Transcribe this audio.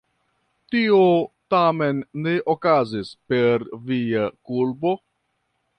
Tio tamen ne okazis per via kulpo?